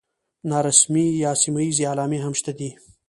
نارسمي یا سیمه ییزې علامې هم شته دي.